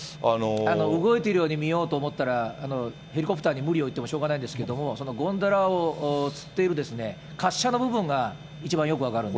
動いているように見ようと思ったら、ヘリコプターに無理言ってもしょうがないですけども、ゴンドラをつっている滑車の部分が一番よく分かるんです。